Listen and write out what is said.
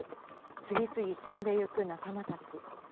次々死んでゆく仲間たち。